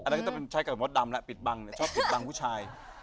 อันนั้นก็ต้องใช้กับมดดำแหละปิดบังชอบปิดบังผู้ชาย